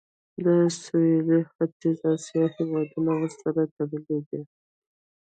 د سویل ختیځې اسیا هیوادونه ورسره تړلي دي.